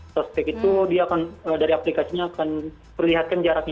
suspek itu dia akan dari aplikasinya akan perlihatkan jaraknya